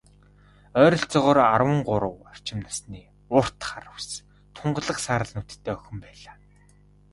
Ойролцоогоор арван гурав орчим насны, урт хар үс, тунгалаг саарал нүдтэй охин байлаа.